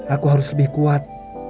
aku harus lebih kuat